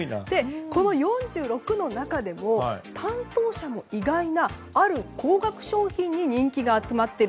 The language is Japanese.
４６の中でも担当者も意外な、ある高額商品に人気が集まっている。